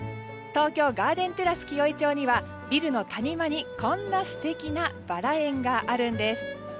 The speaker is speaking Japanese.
東京ガーデンプラス紀尾井町にはビルの谷間に、こんな素敵なバラ園があるんです。